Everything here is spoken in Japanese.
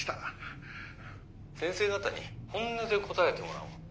「先生方に本音で答えてもらおう。